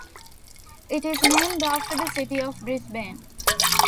It is named after the city of Brisbane.